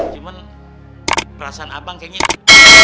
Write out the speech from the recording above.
cuman perasaan abang kayaknya